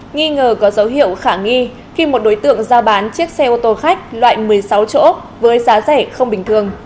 nghi ngờ có dấu hiệu khả nghi khi một đối tượng giao bán chiếc xe ô tô khách loại một mươi sáu chỗ với giá rẻ không bình thường